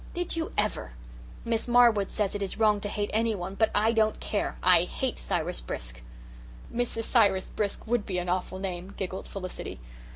Did you ever? Miss Marwood says it is wrong to hate anyone, but I don't care, I hate Cyrus Brisk." "Mrs. Cyrus Brisk WOULD be an awful name," giggled Felicity.